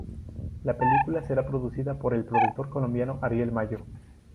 La película será producida por el productor colombiano Ariel Mayo.